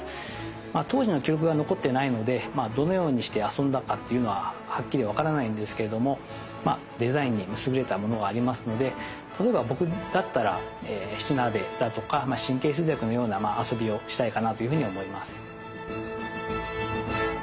まあ当時の記録が残ってないのでどのようにして遊んだかっていうのははっきり分からないんですけれどもデザインに優れたものがありますので例えば僕だったら「七並べ」だとか「神経衰弱」のような遊びをしたいかなというふうに思います。